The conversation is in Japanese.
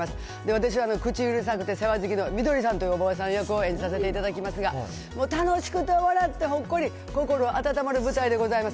私は口うるさくて世話好きのミドリさんというおばあさん役を演じさせていただきますが、楽しくて、笑って、ほっこり、心温まる舞台でございます。